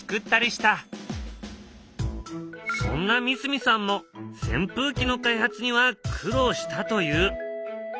そんな三角さんもせん風機の開発には苦労したと言う。